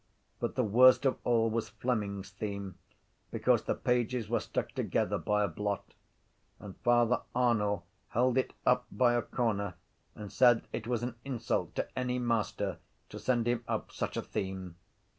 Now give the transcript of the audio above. But the worst of all was Fleming’s theme because the pages were stuck together by a blot: and Father Arnall held it up by a corner and said it was an insult to any master to send him up such a theme.